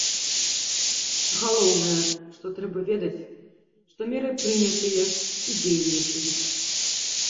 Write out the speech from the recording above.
Галоўнае, што трэба ведаць, што меры прынятыя і дзейнічаюць.